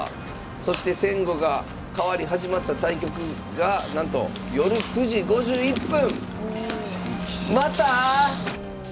そして先後が変わり始まった対局がなんと夜９時５１分。